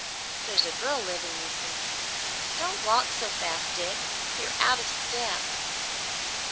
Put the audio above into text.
"There's a girl living with me. Don't walk so fast, Dick; you're out of step."